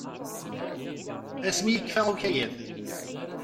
Asmi i yekfa ukayad.